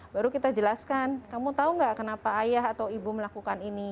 baru kita jelaskan kamu tahu nggak kenapa ayah atau ibu melakukan ini